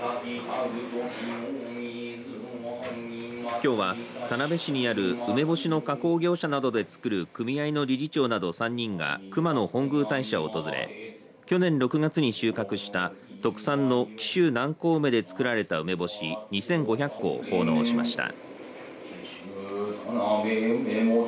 きょうは田辺市にある梅干しの加工業者などで作る組合の理事長など３人が熊野本宮大社を訪れ去年６月に収穫した特産の紀州南高梅でつくられた梅干し２５００個を奉納しました。